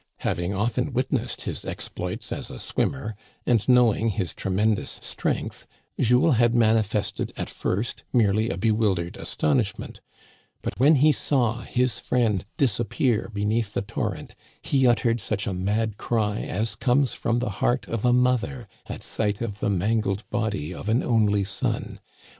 Having often witnessed his exploits as a Swimmer, and knowing his tremendous strength, Jules had manifested at first merely a bewildered astonish ment ; but when he saw his friend disappear beneath the torrent, he uttered such a mad cry as comes from the heart of a mother at sight of the mangled body of an only son.